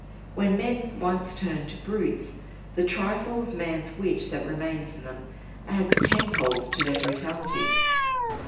When men once turn to brutes, the trifle of man's wit that remains in them adds tenfold to their brutality.